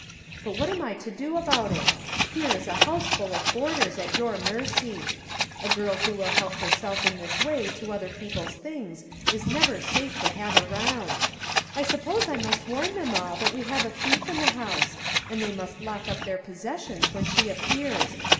But what am I to do about it? Here is a house full of boarders at your mercy. A girl who will help herself in 80 RAISINS " this way to other people's things is never safe to have around. I suppose I must warn them all that we have a thief in the house, and they must lock up their possessions when she ap pears.